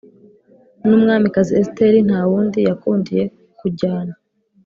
n Umwamikazi Esiteri nta wundi yakundiye kujyana